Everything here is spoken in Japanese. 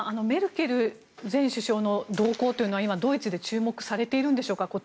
メルケル前首相の動向というのはドイツで注目されているんでしょうか。